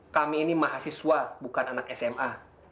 kami ini mahasiswa bukan anak sma